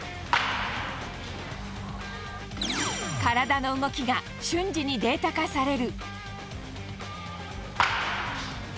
体の動きが瞬時にデータ化される。